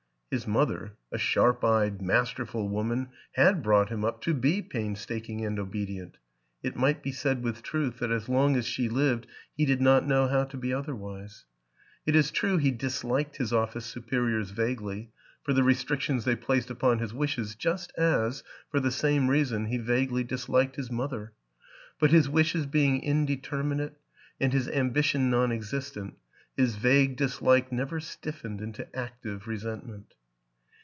His mother, a sharp eyed, masterful woman, had brought him up to be painstaking and obedient; it might be said with truth that as long as she lived he did not know how to be otherwise. It is true he disliked his office superiors vaguely, for the restrictions they placed upon his wishes just as, for the same reason, he vaguely disliked his mother; but his wishes being indeterminate and his ambition non existent, his vague dislike never stiffened into active resentment.